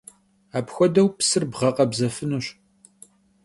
Apxuedeu psır bğekhebzefınuş.